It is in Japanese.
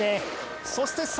そして